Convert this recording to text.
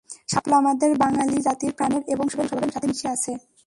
শাপলা আমাদের বাঙালি জাতির প্রাণের এবং সরল স্বভাবের সাথে মিশে আছে।